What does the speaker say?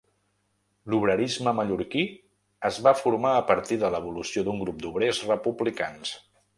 L'obrerisme mallorquí es va formar a partir de l'evolució d'un grup d'obrers republicans.